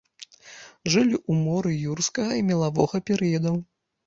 Жылі ў моры юрскага і мелавога перыядаў.